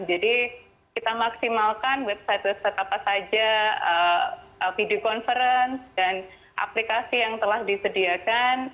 jadi kita maksimalkan website website apa saja video conference dan aplikasi yang telah disediakan